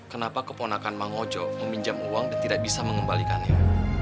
kenapa keponakan mang ojo meminjam uang dan tidak bisa mengembalikannya